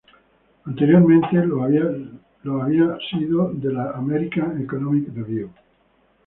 Anteriormente lo había sido de la American Economic Review.